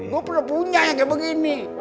gue pernah punya yang kayak begini